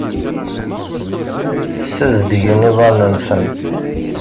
Ssazedgen iḍarren-nsen.